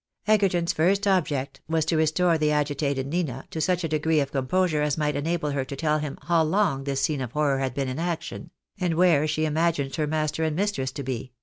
Egerton's first object was to restore the agitated Nina to such a degree of composure as might enable her to tell him how long, this scene of horror had been in action, and where she imagined her master and mistress to be.